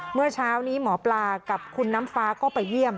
เมื่อเช้านี้หมอปลากับคุณน้ำฟ้าก็ไปเยี่ยม